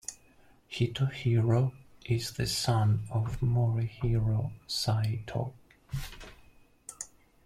Hitohiro is the son of Morihiro Saito.